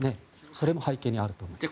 それも背景にあると思います。